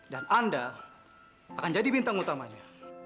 dan anda akan jadi bintang utamanya